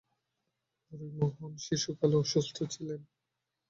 হরিমোহন শিশুকালে অসুস্থ ছিলেন।